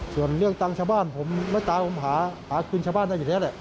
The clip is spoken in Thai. ส่วนเรื่องตังค์ชาวบ้านผมไม่ตายผมหาคืนชาวบ้านได้อยู่แล้วแหละ